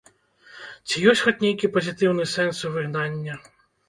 Ці ёсць хоць нейкі пазітыўны сэнс у выгнання?